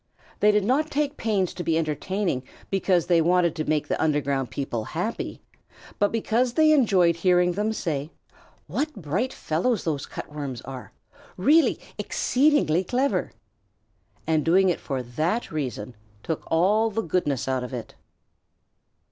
They did not take pains to be entertaining because they wanted to make the underground people happy, but because they enjoyed hearing them say: "What bright fellows those Cut Worms are! Really exceedingly clever!" And doing it for that reason took all the goodness out of it.